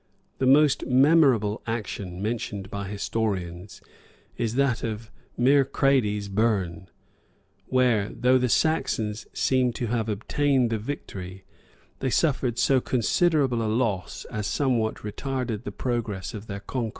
The most memorable action, mentioned by historians, is that of Mearcredes Burn;[] where, though the Saxons seem to have obtained the victory, they suffered so considerable a loss, as somewhat retarded the progress of their conquests.